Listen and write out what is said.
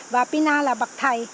và pina là bậc thầy